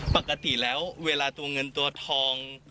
ปกติแล้วเวลาตัวเงินตัวทอง